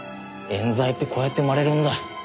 冤罪ってこうやって生まれるんだ。